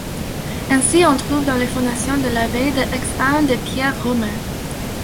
Ainsi, on trouve dans les fondations de l'abbaye de Hexham des pierres romaines.